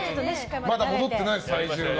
まだ戻ってないです、体重が。